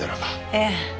ええ。